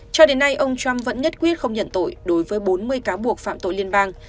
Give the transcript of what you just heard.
cho đến nay ông trump vẫn nhất quyết không nhận tội đối với bốn mươi cáo buộc phạm tội liên bang